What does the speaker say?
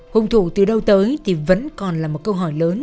hùng thủ từ đâu tới thì vẫn còn là một câu hỏi lớn